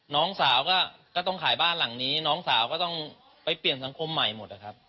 น้องสาวก็ต้องขายบ้านหลังนี้น้องสาวก็ต้องไปเปลี่ยนสังคมใหม่หมดนะครับ